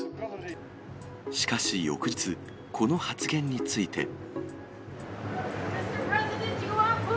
しかし、翌日、この発言について。